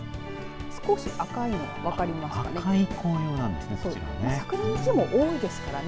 少し赤いのが分かりますかね。